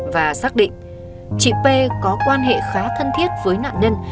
và xác định chị p có quan hệ khá thân thiết với nạn nhân